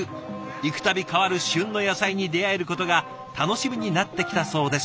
行くたび変わる旬の野菜に出会えることが楽しみになってきたそうです。